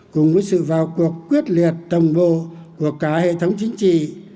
cùng với sự vào cuộc quyết liệt đồng bộ của cả hệ thống chính trị